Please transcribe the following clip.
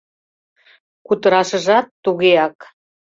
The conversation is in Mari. Кутырашыжат тугеак.